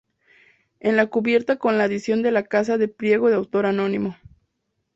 En la cubierta con la adición de la Casa de Priego de autor anónimo.